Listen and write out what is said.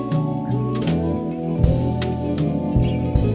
kau akan kembali